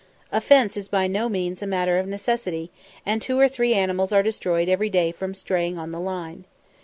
A fence is by no means a matter of necessity, and two or three animals are destroyed every day from straying on the line.